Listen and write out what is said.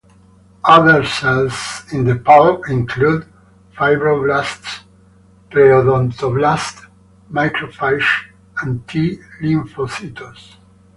Other cells in the pulp include fibroblasts, preodontoblasts, macrophages and T lymphocytes.